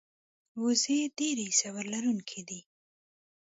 وزې ډېرې صبر لرونکې دي